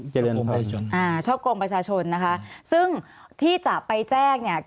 เจริญประชาชนอ่าช่อกงประชาชนนะคะซึ่งที่จะไปแจ้งเนี่ย